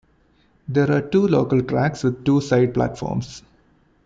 There are two local tracks with two side platforms.